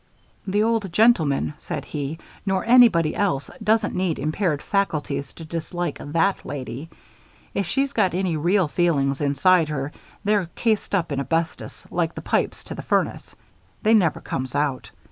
"The old gentleman," said he, "nor anybody else doesn't need impaired faculties to dislike that lady. If she's got any real feelings inside her they're cased up in asbestos, like the pipes to the furnace. They never comes out.